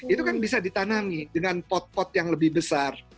itu kan bisa ditanami dengan pot pot yang lebih besar